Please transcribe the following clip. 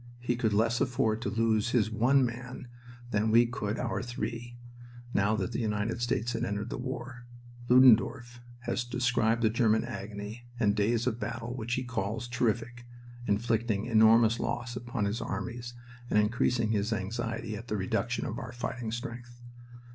He could less afford to lose his one man than we could our three, now that the United States had entered the war. Ludendorff has described the German agony, and days of battle which he calls "terrific," inflicting "enormous loss" upon his armies and increasing his anxiety at the "reduction of our fighting strength."